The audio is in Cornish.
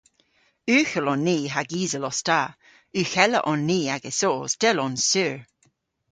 Ughel on ni hag isel os ta. Ughella on ni agesos, dell on sur.